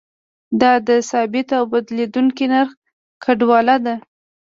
دا د ثابت او بدلیدونکي نرخ ګډوله ده.